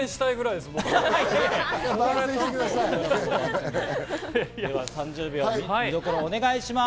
では３０秒で見どころお願いします。